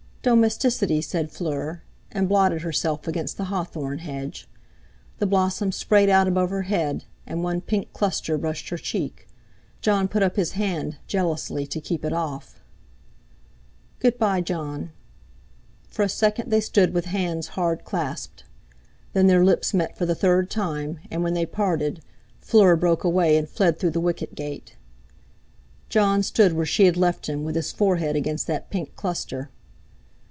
"Domesticity!" said Fleur, and blotted herself against the hawthorn hedge. The blossom sprayed out above her head, and one pink cluster brushed her cheek. Jon put up his hand jealously to keep it off. "Good bye, Jon." For a second they stood with hands hard clasped. Then their lips met for the third time, and when they parted Fleur broke away and fled through the wicket gate. Jon stood where she had left him, with his forehead against that pink cluster.